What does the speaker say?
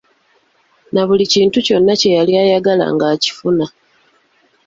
Na buli kintu kyonna kye yali ayagala ng'akifuna.